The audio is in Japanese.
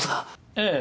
ええ。